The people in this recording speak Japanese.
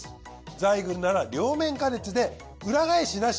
ザイグルなら両面加熱で裏返しなし。